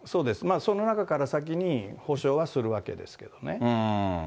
その中から先に補償はするわけですけどね。